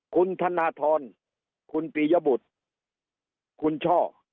คุณธนทรคุณปียบุตรคุณช่อ